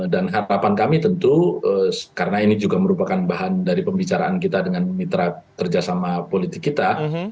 dan harapan kami tentu karena ini juga merupakan bahan dari pembicaraan kita dengan mitra kerjasama politik kita